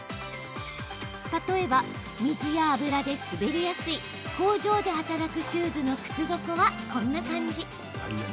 例えば、水や油で滑りやすい工場で働くシューズの靴底はこんな感じ。